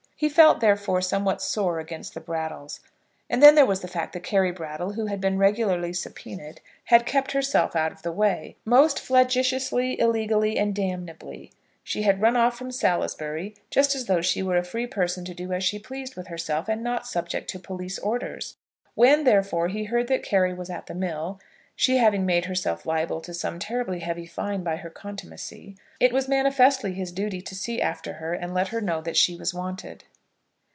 He felt, therefore, somewhat sore against the Brattles; and then there was the fact that Carry Brattle, who had been regularly "subpoenaed," had kept herself out of the way, most flagitiously, illegally and damnably. She had run off from Salisbury, just as though she were a free person to do as she pleased with herself, and not subject to police orders! When, therefore, he heard that Carry was at the mill, she having made herself liable to some terribly heavy fine by her contumacy, it was manifestly his duty to see after her and let her know that she was wanted.